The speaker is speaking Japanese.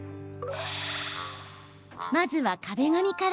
まずは、壁紙から。